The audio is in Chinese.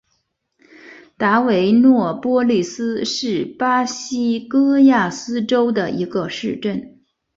达维诺波利斯是巴西戈亚斯州的一个市镇。